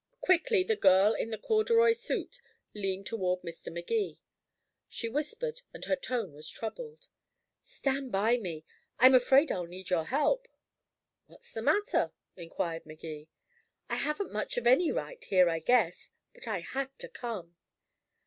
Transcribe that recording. Quickly the girl in the corduroy suit leaned toward Mr. Magee. She whispered, and her tone was troubled: "Stand by me. I'm afraid I'll need your help." "What's the matter?" inquired Magee. "I haven't much of any right here, I guess. But I had to come."